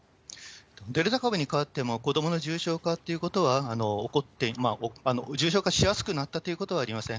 デルタ株にかわっても、子どもの重症化っていうことは、重症化しやすくなったということはありません。